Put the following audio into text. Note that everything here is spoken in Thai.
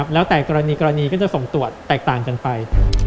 แล้วแต่กรณีก็จะส่งตรวจแตกต่างกันไป